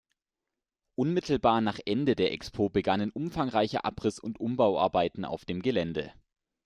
Unmittelbar nach Ende der Expo begannen umfangreiche Abriss- und Umbauarbeiten auf dem Gelände.